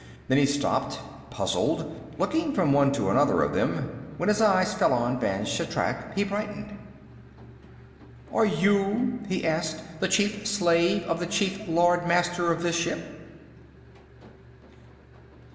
Then he stopped, puzzled, looking from one to another of them. When his eyes fell on Vann Shatrak, he brightened. "Are you," he asked, "the chief slave of the chief Lord Master of this ship?"